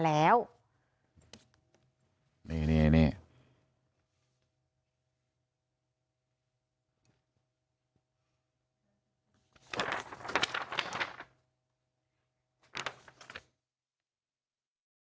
และก็คือว่าถึงแม้วันนี้จะพบรอยเท้าเสียแป้งจริงไหม